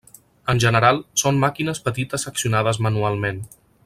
En general són màquines petites accionades manualment.